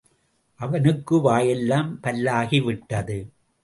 அவனுக்கு வாயெல்லாம் பல்லாகிவிட்டது.